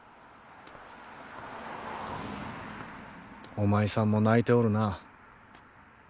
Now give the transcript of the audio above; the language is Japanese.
おまいさんも泣いておるな。